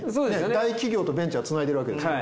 大企業とベンチャーつないでるわけですから。